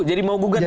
jadi mau gugat juga